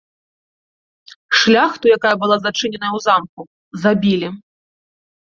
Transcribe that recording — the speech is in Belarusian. Шляхту, якая была зачыненая ў замку, забілі.